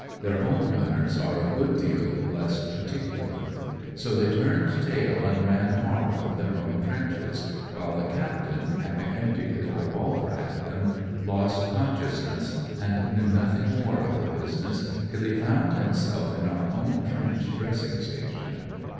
Their own gunners are a good deal less particular. So they turned tail and ran hard for their own trenches; while the captain, having emptied his revolver at them, lost consciousness, and knew nothing more of the business till he foimd himself in our own trench dressing station.